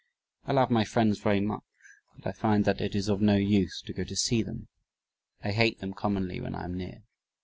"I love my friends very much, but I find that it is of no use to go to see them. I hate them commonly when I am near."